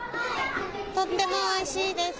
とってもおいしいです。